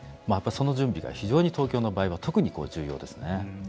その準備が非常に東京の場合は特に重要ですね。